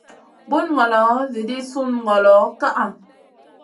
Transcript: Bun ngolo edii sun ngolo ka ʼa.